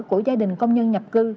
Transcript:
của gia đình công nhân nhập cư